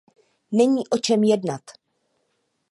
Není o čem jednat.